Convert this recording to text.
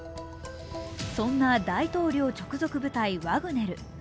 そんな大統領直属部隊ワグネル。